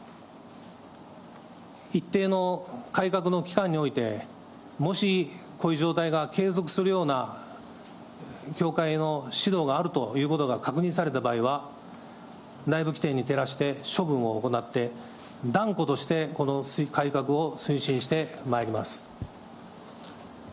一定の改革の機関において、もしこういう状態が継続するような、教会の指導があるということが確認された場合は、内部規定に照らして処分を行って、断固としてこの改革を推進してまいります。